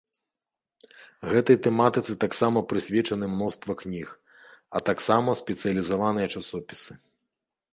Гэтай тэматыцы таксама прысвечаны мноства кніг, а таксама спецыялізаваныя часопісы.